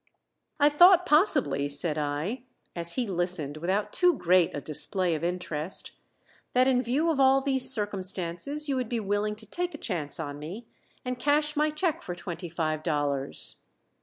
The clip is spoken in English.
"I thought possibly," said I, as he listened without too great a display of interest, "that in view of all these circumstances you would be willing to take a chance on me, and cash my check for twenty five dollars."